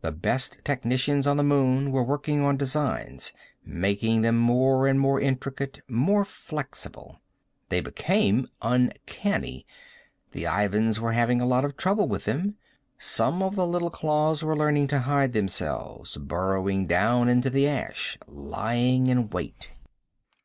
The best technicians on the moon were working on designs, making them more and more intricate, more flexible. They became uncanny; the Ivans were having a lot of trouble with them. Some of the little claws were learning to hide themselves, burrowing down into the ash, lying in wait.